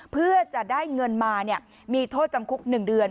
เพื่อจะได้เงินมาเนี้ยมีโทษจำคุกหนึ่งเดือน